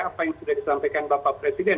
apa yang sudah disampaikan bapak presiden